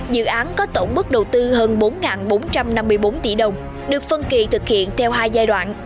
dự án có tổng mức đầu tư hơn bốn bốn trăm năm mươi bốn tỷ đồng được phân kỳ thực hiện theo hai giai đoạn